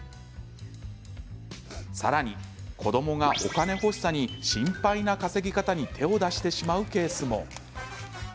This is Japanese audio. さらに、子どもがお金欲しさに心配な稼ぎ方に手を出してしまうケースも。